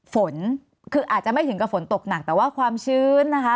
ฝนคืออาจจะไม่ถึงกับฝนตกหนักแต่ว่าความชื้นนะคะ